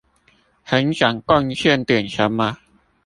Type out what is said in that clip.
很想貢獻點什麼